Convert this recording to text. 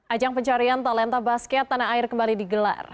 ajang pencarian talenta basket tanah air kembali digelar